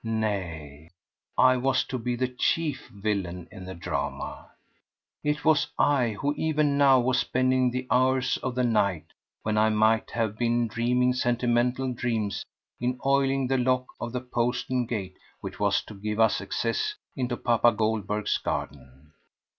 —nay, I was to be the chief villain in the drama! It was I who, even now, was spending the hours of the night, when I might have been dreaming sentimental dreams, in oiling the lock of the postern gate which was to give us access into papa Goldberg's garden.